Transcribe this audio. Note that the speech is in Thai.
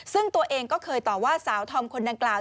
ซึ่งตัวเองก็เคยต่อว่าสาวธอมคนดังกล่าว